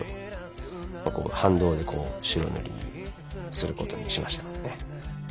反動で白塗りすることにしました。